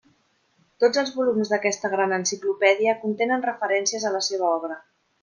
Tots els volums d'aquesta gran enciclopèdia contenen referències a la seva obra.